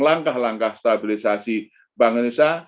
langkah langkah stabilisasi bank indonesia